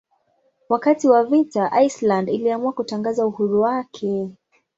Wakati wa vita Iceland iliamua kutangaza uhuru wake.